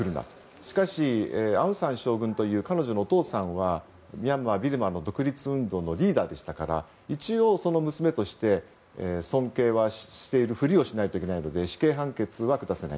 しかし、アウン・サン将軍という彼女のお父さんはミャンマー、ビルマの独立運動のリーダーでしたから一応、その娘として尊敬はしているふりをしないといけないので死刑判決は下せない。